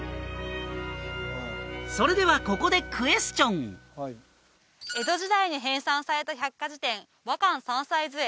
それではここでクエスチョン江戸時代に編さんされた百科事典「和漢三才図会」